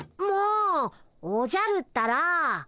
もうおじゃるったら。